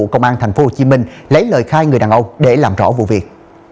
công an tp hcm lấy lời khai người đàn ông để làm rõ vụ việc